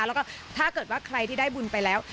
แล้วก็ถ้าเกิดว่าใครที่ได้บุญไปแล้ว